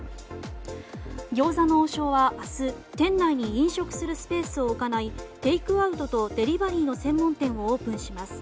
餃子の王将は明日店内に飲食するスペースを置かないテイクアウトとデリバリーの専門店をオープンします。